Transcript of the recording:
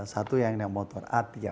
satu yang yang motor